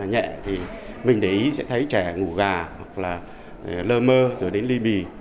nhẹ thì mình để ý sẽ thấy trẻ ngủ gà hoặc là lơ mơ rồi đến ly bì